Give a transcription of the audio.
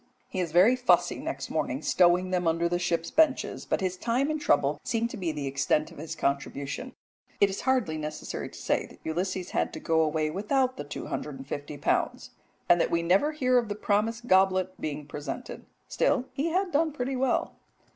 He is very fussy next morning stowing them under the ship's benches, but his time and trouble seem to be the extent of his contribution. It is hardly necessary to say that Ulysses had to go away without the 250 pounds, and that we never hear of the promised goblet being presented. Still he had done pretty well.